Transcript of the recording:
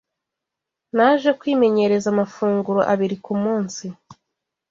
Naje kwimenyereza amafunguro abiri ku munsi